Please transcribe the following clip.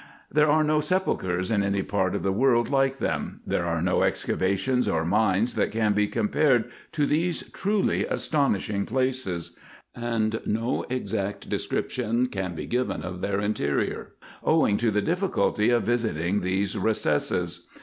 There are no sepulchres in any part of the world like them ; there are no excavations, or mines, that can be x2 156 RESEARCHES AND OPERATIONS compared to these truly astonishing places ; and no exact de scription can be given of their interior, owing to the difficulty of visiting these recesses.